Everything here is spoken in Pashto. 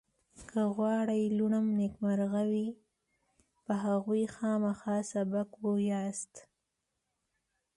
که غواړئ لوڼه مو نېکمرغ وي په هغوی خامخا سبق ووایاست